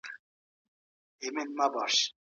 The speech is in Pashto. وو. که څه هم د دې پروژې اړوند جریانونه د دې